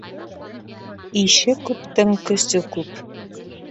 Ише күптең көсө күп.